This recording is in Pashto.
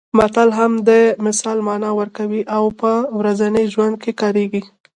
متل هم د مثال مانا ورکوي او په ورځني ژوند کې کارېږي